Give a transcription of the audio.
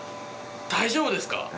大丈夫ですか？